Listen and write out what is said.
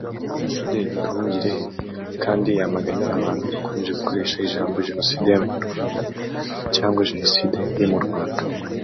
Ambasaderi Nduhungirehe kandi yamaganye abantu bakomeje gukoresha ijambo “Jenoside y’Abanyarwanda cyangwa Jenoside yo mu Rwanda”